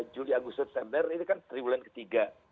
juli agustus september itu kan tiga bulan ketiga